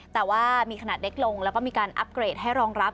แต่ว่ามีขนาดเล็กลงแล้วก็มีการอัพเกรดให้รองรับ